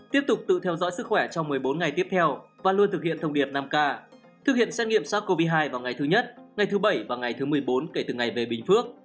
tiếp tục tự theo dõi sức khỏe trong một mươi bốn ngày tiếp theo và luôn thực hiện thông điệp năm k thực hiện xét nghiệm sars cov hai vào ngày thứ nhất ngày thứ bảy và ngày thứ một mươi bốn kể từ ngày về bình phước